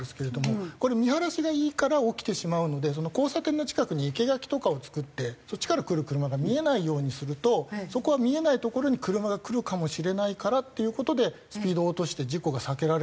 これ見晴らしがいいから起きてしまうので交差点の近くに生け垣とかを作ってそっちから来る車が見えないようにするとそこは見えない所に車が来るかもしれないからっていう事でスピードを落として事故が避けられる。